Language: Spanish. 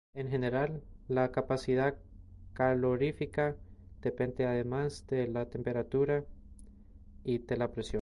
En general, la capacidad calorífica depende además de la temperatura y de la presión.